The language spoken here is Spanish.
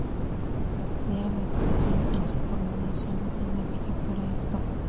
Vea la sección en su formulación matemática para esto.